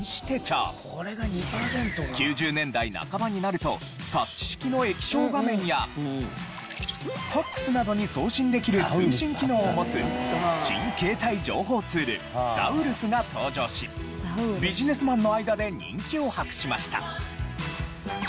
９０年代半ばになるとタッチ式の液晶画面やファクスなどに送信できる通信機能を持つ新携帯情報ツールＺＡＵＲＵＳが登場しビジネスマンの間で人気を博しました。